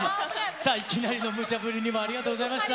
さあ、いきなりのむちゃぶりにもありがとうございました。